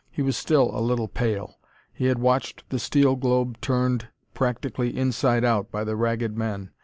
He was still a little pale. He had watched the steel globe turned practically inside out by the Ragged Men.